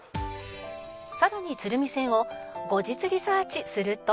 「さらに鶴見線を後日リサーチすると」